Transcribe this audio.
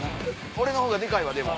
俺のほうがデカいわでも。